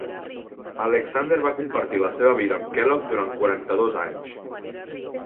Alexander va compartir la seva vida amb Kellogg durant quaranta-dos anys.